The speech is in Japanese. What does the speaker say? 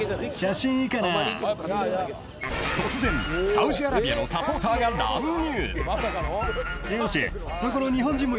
突然サウジアラビアのサポーターが乱入。